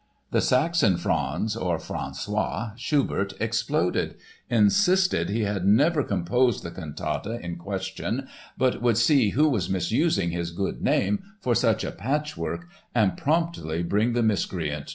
The Saxon Franz (or François) Schubert exploded, insisted he had never composed the "cantata" in question but would see who was misusing his good name for such a patchwork and promptly bring the miscreant to book!